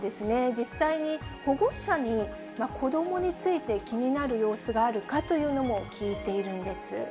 実際に保護者に子どもについて気になる様子があるかというのも聞いているんです。